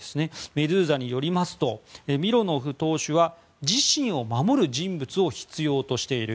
メドゥーザによりますとミロノフ党首は自身を守る人物を必要としている。